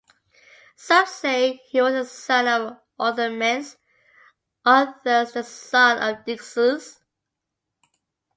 Some say he was the son of Orthomenes, others the son of Dexius.